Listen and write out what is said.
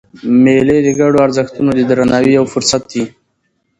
مېلې د ګډو ارزښتونو د درناوي یو فرصت يي.